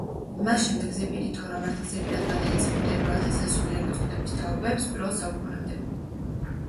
მას შემდეგ ზეპირი თორა მართლაც ზეპირად გადაეცემოდა ებრაელთა სასულიერო წოდების თაობებს, პირველ საუკუნემდე.